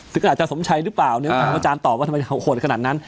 ถึงขนาดอาจารย์สมชัยรึเปล่าเนี้ยอาจารย์ตอบว่าทำไมโหดขนาดนั้น